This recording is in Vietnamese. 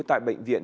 tại bệnh viện